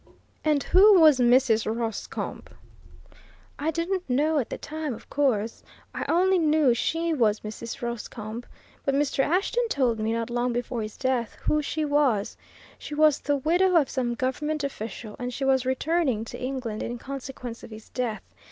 "And who was Mrs. Roscombe?" "I didn't know at the time, of course I only knew she was Mrs. Roscombe. But Mr. Ashton told me, not long before his death, who she was. She was the widow of some government official, and she was returning to England in consequence of his death.